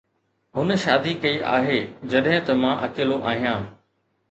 هن شادي ڪئي آهي جڏهن ته مان اڪيلو آهيان